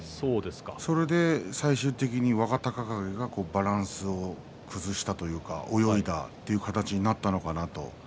それで最終的に若隆景がバランスを崩したというか泳いだという形になったのかなと。